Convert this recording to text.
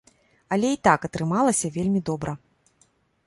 Але і так атрымалася вельмі добра.